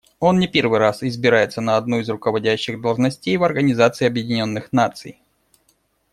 Он не первый раз избирается на одну из руководящих должностей в Организации Объединенных Наций.